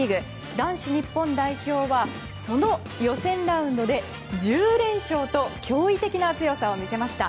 男子日本代表はその予選ラウンドで１０連勝と驚異的な強さを見せました。